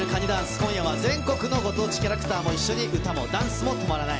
今夜は全国のご当地キャラクターも一緒に歌もダンスも止まらない。